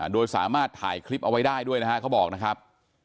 โดยสามารถถ่ายคลิปเอาไว้ได้ด้วยนะฮะเขาบอกนะครับ